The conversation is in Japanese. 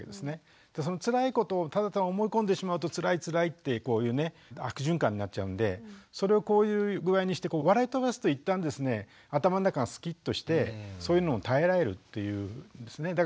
そのつらいことをただただ思い込んでしまうとつらいつらいってこういうね悪循環になっちゃうんでそれをこういう具合にして笑い飛ばすと一旦ですね頭の中がスキッとしてそういうのを耐えられるっていうんですね。